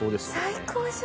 最高じゃ！